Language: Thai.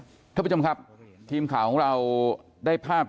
คุณผู้ชมครับทีมข่าวของเราได้ภาพ